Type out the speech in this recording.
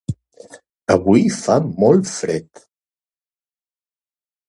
Avui fa molt fred.